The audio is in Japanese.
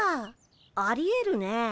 ありえるね。